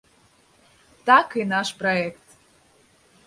Так і наш праект.